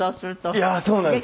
いやあそうなんです！